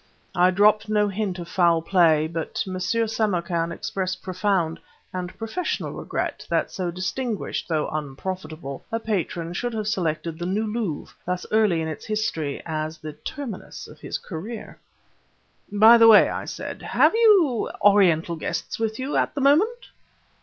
I dropped no hint of foul play, but M. Samarkan expressed profound (and professional) regret that so distinguished, though unprofitable, a patron should have selected the New Louvre, thus early in its history, as the terminus of his career. "By the way," I said, "have you Oriental guests with you, at the moment?"